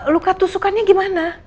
luka tusukannya gimana